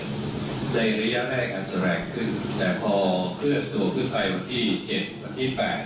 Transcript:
ในระยะแรกอาจจะแรงขึ้นแต่พอเคลือดตัวขึ้นไปวันที่๗๘